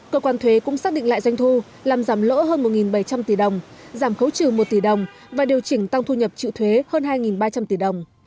cơ quan thuế cũng xác định lại doanh thu làm giảm lỗ hơn một bảy trăm linh tỷ đồng giảm khấu trừ một tỷ đồng và điều chỉnh tăng thu nhập trịu thuế hơn hai ba trăm linh tỷ đồng